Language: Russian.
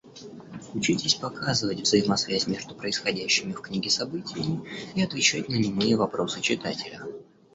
Учитесь показывать взаимосвязь между происходящими в книге событиями и отвечать на немые вопросы читателя.